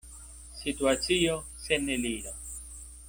Situacio sen eliro.